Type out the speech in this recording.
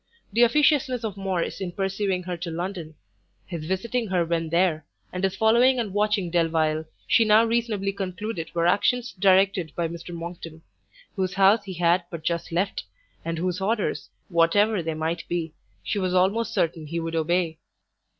The officiousness of Morrice in pursuing her to London, his visiting her when there, and his following and watching Delvile, she now reasonably concluded were actions directed by Mr Monckton, whose house he had but just left, and whose orders, whatever they might be, she was almost certain he would obey.